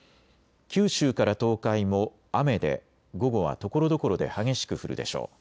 九州から東海も雨で午後はところどころで激しく降るでしょう。